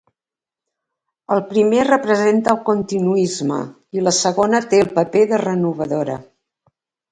El primer representa el continuisme i la segona té el paper de renovadora.